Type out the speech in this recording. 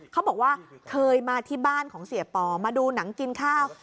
เขาบอกว่าเคยมาที่บ้านของเสียปอมาดูหนังกินข้าว